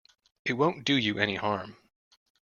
It won't do you any harm.